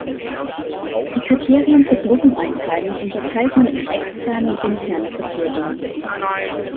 Die Kriterien zur Gruppeneinteilung unterteilt man in externe und interne Kriterien.